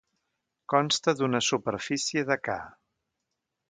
Consta d'una superfície de ca.